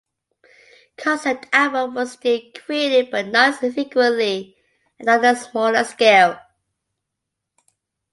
Concept albums were still created, but not as frequently and on a smaller scale.